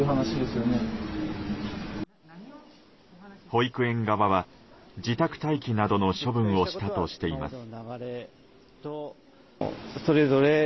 保育園側は自宅待機などの処分をしたとしています。